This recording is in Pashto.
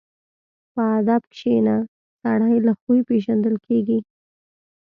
په ادب کښېنه، سړی له خوی پېژندل کېږي.